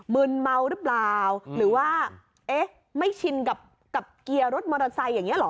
มึนเมาหรือเปล่าหรือว่าเอ๊ะไม่ชินกับเกียร์รถมอเตอร์ไซค์อย่างนี้หรอ